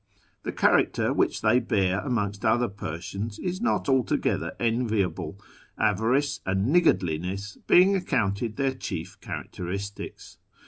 The character wdiich they bear amongst other Persians is not altogether enviable, avarice and niggardliness being accounted their chief characteristics.